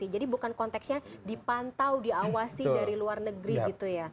jadi bukan konteksnya dipantau diawasi dari luar negeri gitu ya